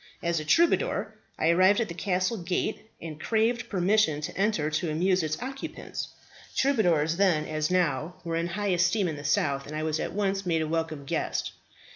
As a troubadour I arrived at the castle gate, and craved permission to enter to amuse its occupants. Troubadours then, as now, were in high esteem in the south, and I was at once made a welcome guest.